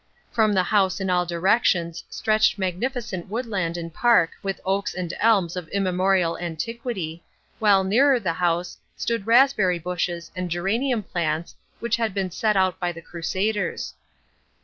From the house in all directions stretched magnificent woodland and park with oaks and elms of immemorial antiquity, while nearer the house stood raspberry bushes and geranium plants which had been set out by the Crusaders.